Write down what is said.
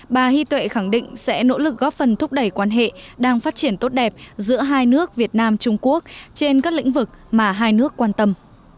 bà hy tuệ khẳng định sẽ nỗ lực góp phần thúc đẩy quan hệ đang phát triển tốt đẹp giữa hai nước việt nam trung quốc trên các lĩnh vực mà hai nước quan tâm